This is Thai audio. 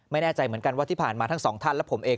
ไม่แน่ใจเหมือนกันว่าที่ผ่านมาทั้งสองท่านและผมเอง